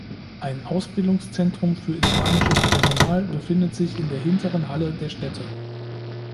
Ein Ausbildungszentrum für islamisches Personal befindet sich in der hinteren Halle der Stätte.